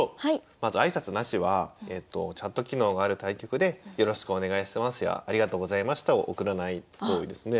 まず「挨拶なし」はチャット機能がある対局で「よろしくお願いします」や「ありがとうございました」を送らない行為ですね。